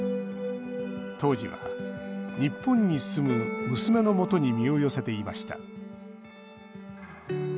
当時は日本に住む娘の元に身を寄せていました。